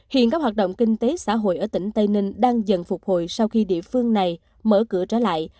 hiện các hoạt động kinh tế xã hội ở tỉnh tây ninh đang dần phục hồi sau khi địa phương này mở cửa trở lại